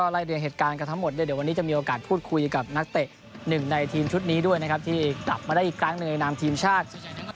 แล้ววันนี้จะมีโอกาสพูดคุยกับนักเตะหนึ่งในทีมชุดนี้ด้วยนะครับที่กลับมาได้อีกครั้งหนึ่งในนามทีมชาติ